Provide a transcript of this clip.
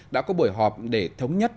đã có buổi họp để thống nhất